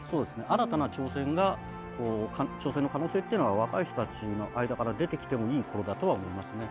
新たな挑戦が挑戦の可能性っていうのが若い人たちの間から出てきてもいいころだとは思いますね。